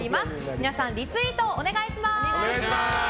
皆さん、リツイートをお願いします。